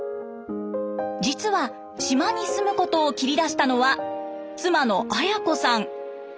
実は島に住むことを切り出したのは妻の綾子さん。